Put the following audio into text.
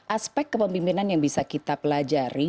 aspek kepemimpinan yang bisa kita pelajari